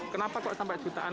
kenapa kok sampai jutaan